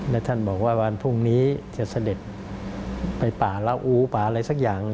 และท่านบอกว่าวันพรุ่งนี้จะเสด็จไปป่าละอูป่าอะไรสักอย่าง